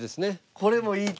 これもいい手。